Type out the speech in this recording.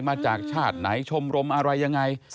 มาจากชาติไหนชมรมอะไรยังไง